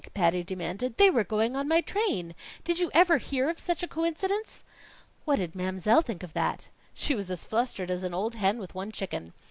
Patty demanded. "They were going on my train. Did you ever hear of such a coincidence?" "What did Mam'selle think of that?" "She was as flustered as an old hen with one chicken.